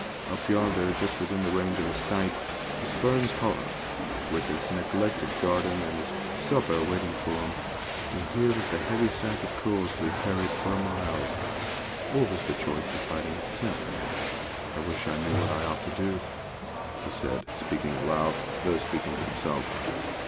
Up yonder, just within the range of his sight, was Fern's Hollow, with its neglected garden, and his supper waiting for him; and here was the heavy sack of coals to be carried for a mile, or the choice of fighting with Tim. 'I wish I knew what I ought to do,' he said, speaking aloud, though speaking to himself.